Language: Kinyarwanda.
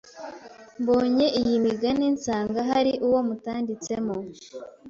Mbonye iyi migani nsanga hari uwo mutandiitsemo